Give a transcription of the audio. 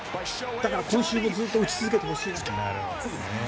だから今週もずっと打ち続けてほしいな。